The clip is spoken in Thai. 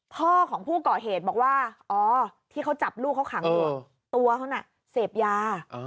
พ่อของผู้ก่อเหตุบอกว่าที่เขาจับลูกเขาขังตัวเสพยา